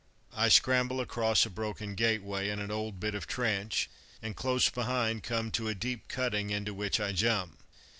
I scramble across a broken gateway and an old bit of trench, and close behind come to a deep cutting into which I jump.